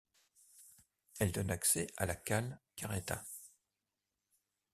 Elle donne accès à la calle Carretas.